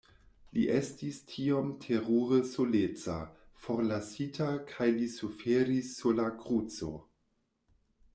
Li estis tiom terure soleca, forlasita kaj li suferis sur la kruco..